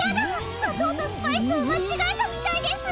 さとうとスパイスをまちがえたみたいですわ！